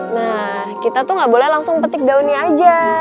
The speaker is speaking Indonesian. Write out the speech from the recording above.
nah kita tuh gak boleh langsung petik daunnya aja